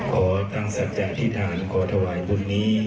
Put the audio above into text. ขอตั้งสัจจะอธิษฐานขอถวายบุญนี้